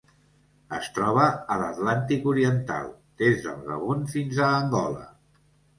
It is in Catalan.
Es troba a l'Atlàntic oriental: des del Gabon fins a Angola.